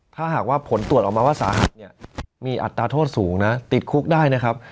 ถ้าหากว่าผลตรวจออกมาว่าสาหัสเนี่ยมีอัตราโทษสูงนะติดคุกได้นะครับ